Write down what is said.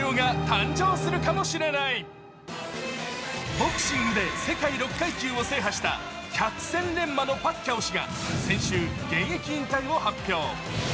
ボクシングで世界６階級を制覇した百戦錬磨のパッキャオ氏が先週、現役引退を発表。